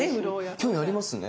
興味ありますね。